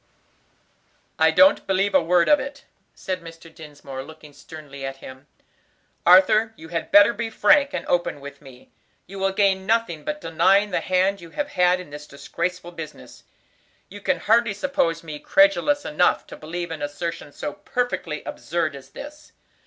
"I don't believe a word of it," said Mr. Dinsmore, looking sternly at him. "Arthur, you had better be frank and open with me. You will gain nothing by denying the hand you have had in this disgraceful business. You can hardly suppose me credulous enough to believe an assertion so perfectly absurd as this.